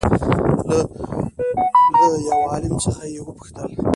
له له يوه عالم څخه يې وپوښتل